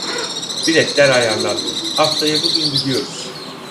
Biletler ayarlandı, haftaya bugün gidiyoruz.